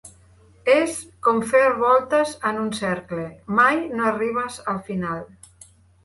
És com fer voltes en un cercle: mai no arribes al final.